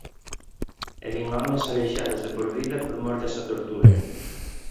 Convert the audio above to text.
E vin homes aleixados de por vida por mor desa tortura.